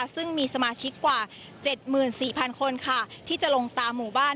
ซึ่งมีสมาชิกกว่า๗๔๐๐คนที่จะลงตามหมู่บ้าน